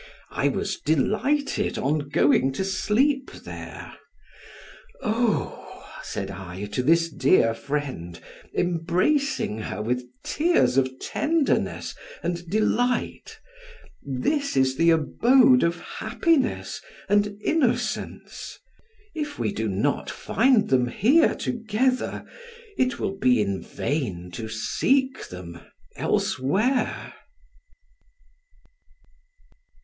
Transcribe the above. I was delighted on going to sleep there "Oh!" said I, to this dear friend, embracing her with tears of tenderness and delight, "this is the abode of happiness and innocence; if we do not find them here together it will be in vain to seek them elsewhere."